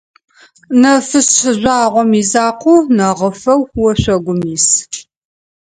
Нэфышъ жъуагъом изакъоу, нэгъыфэу ошъогум ис.